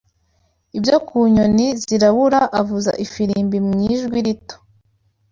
Ibyo ku nyoni zirabura avuza ifirimbi mu ijwi rito